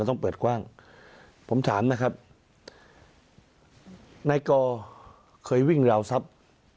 ต้องเปิดกว้างผมถามนะครับนายกอเคยวิ่งราวทรัพย์